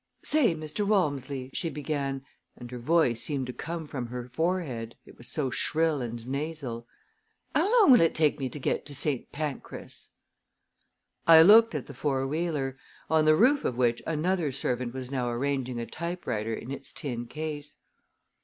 "Say, Mr. Walmsley," she began, and her voice seemed to come from her forehead it was so shrill and nasal; "how long will it take me to get to St. Pancras?" I looked at the four wheeler, on the roof of which another servant was now arranging a typewriter in its tin case.